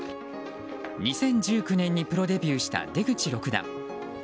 ２０１９年にプロデビューした出口六段。